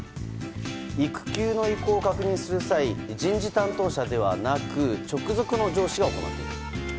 育休の意向を確認する際人事担当者ではなく直属の上司が行っていた。